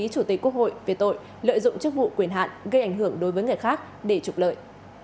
chủ tịch quốc hội về tội lợi dụng chức vụ quyền hạn gây ảnh hưởng đối với người khác để trục lợi